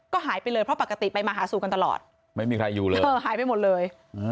ก็หายไปเลยเพราะปกติไปมาหาสู่กันตลอดไม่มีใครอยู่เลยเออหายไปหมดเลย